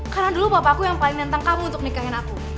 karena dulu papa aku yang paling nentang kamu untuk nikahin aku